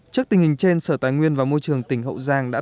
trước tình hình trên sở tài nguyên và môi trường tỉnh hậu giang